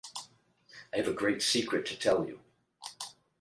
I have a great secret to tell you!